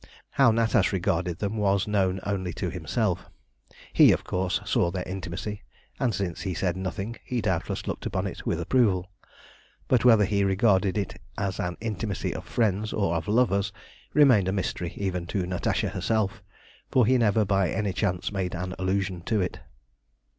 How Natas regarded them was known only to himself. He, of course, saw their intimacy, and since he said nothing he doubtless looked upon it with approval; but whether he regarded it as an intimacy of friends or of lovers, remained a mystery even to Natasha herself, for he never by any chance made an allusion to it.